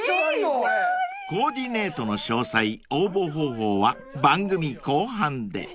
［コーディネートの詳細応募方法は番組後半で］